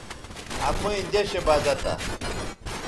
اپئیں دیشےبزہ تھہ